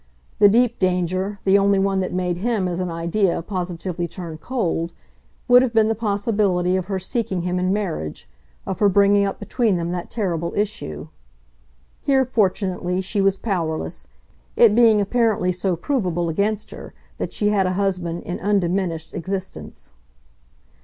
The deep danger, the only one that made him, as an idea, positively turn cold, would have been the possibility of her seeking him in marriage, of her bringing up between them that terrible issue. Here, fortunately, she was powerless, it being apparently so provable against her that she had a husband in undiminished existence.